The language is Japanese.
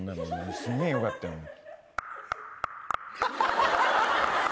すげえよかったよね？